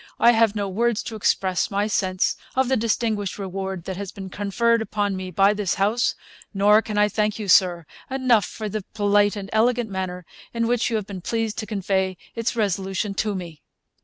I have no words to express my sense of the distinguished reward that has been conferred upon me by this House; nor can I thank you, Sir, enough for the polite and elegant manner in which you have been pleased to convey its resolution to me.'